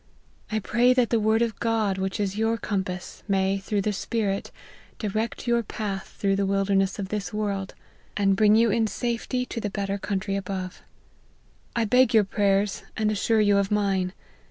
I pray that the word of God, which is your compass, may, through the Spirit, direct your path through the wilderness of this world, and bring you in safety to the better country above. I beg your prayers, and assure you of mine.